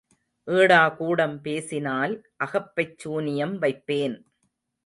ஏடாகூடம் பேசினால் அகப்பைச் சூனியம் வைப்பேன்.